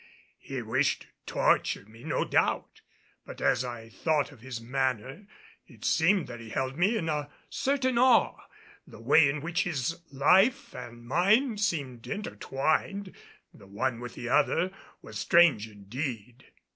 He wished to torture me, no doubt; but as I thought of his manner, it seemed that he held me in a certain awe. The way in which his life and mine seemed intertwined, the one with the other, was strange indeed.